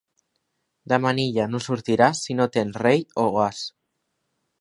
De manilla no sortiràs si no tens rei o as.